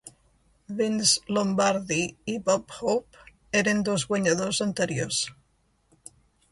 Vince Lombardi i Bob Hope eren dos guanyadors anteriors.